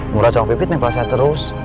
murad sama pipit nempel saya terus